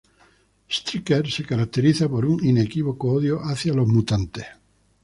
Stryker se caracteriza por un inequívoco odio hacia los mutantes.